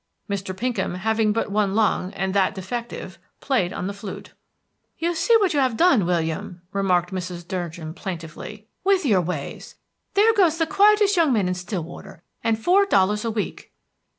Mr. Pinkham having but one lung, and that defective, played on the flute. "You see what you've gone and done, William," remarked Mrs. Durgin plaintively, "with your ways. There goes the quietest young man in Stillwater, and four dollars a week!"